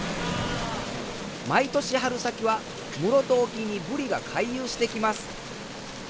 毎年春先は室戸沖にブリが回遊してきます。